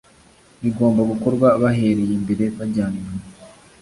bigomba gukorwa bahereye imbere bajyana inyuma